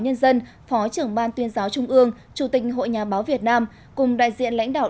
nhân dân phó trưởng ban tuyên giáo trung ương chủ tịch hội nhà báo việt nam cùng đại diện lãnh đạo